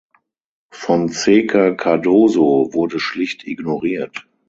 Fonseca Cardoso wurde schlicht ignoriert.